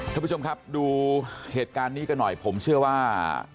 ท่านผู้ชมครับดูเหตุการณ์นี้กันหน่อยผมเชื่อว่า